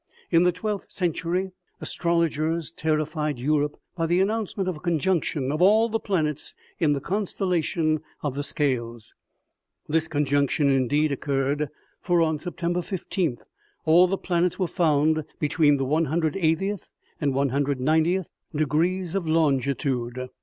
In the twelfth century astrologers terrified Europe by the announcement of a conjunction of all the planets in the constellation of the scales. This conjunction indeed, occurred, for on September i5th all the planets were found between the iSoth and iQOth de grees of longitude.